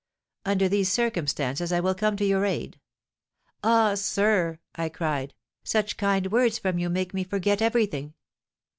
Under these circumstances I will come to your aid.' 'Ah! sir,' I cried, 'such kind words from you make me forget everything.'